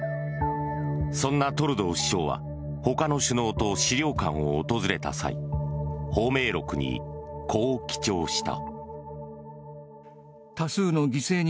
そんなトルドー首相はほかの首脳と資料館を訪れた際芳名録に、こう記帳した。